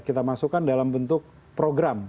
kita masukkan dalam bentuk program ke komputer